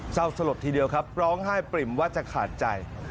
สลดทีเดียวครับร้องไห้ปริ่มว่าจะขาดใจ